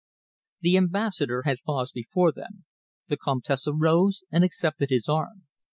The Ambassador had paused before them. The Comtesse rose and accepted his arm.